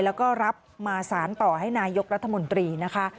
แล้วก็รับมาสารต่อให้นายกรัฐมนตรีนะคะ